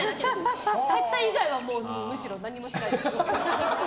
体育祭以外はむしろ何もしないです。